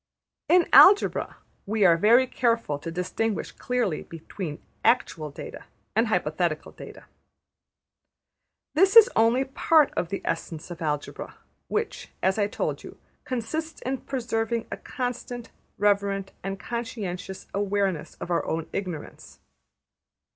'' In Algebra we are very careful to distinguish clearly between actual data and hypothetical data. This is only part of the essence of Algebra, which, as I told you, consists in preserving a constant, reverent, and conscientious awareness of our own ignorance.